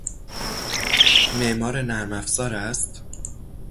معمار نرم افزار است؟